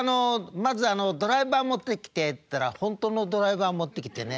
まずドライバー持ってきて」って言ったら本当のドライバー持ってきてね